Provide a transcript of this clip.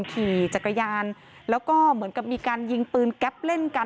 ขี่จักรยานแล้วก็เหมือนกับมีการยิงปืนแก๊ปเล่นกัน